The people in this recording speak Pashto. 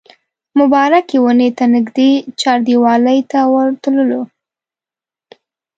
مبارکې ونې ته نږدې چاردیوالۍ ته ورتللو.